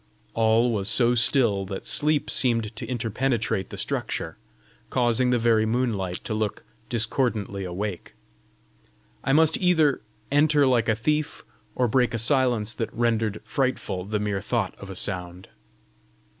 All was so still that sleep seemed to interpenetrate the structure, causing the very moonlight to look discordantly awake. I must either enter like a thief, or break a silence that rendered frightful the mere thought of a sound!